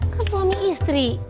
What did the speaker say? kan suami istri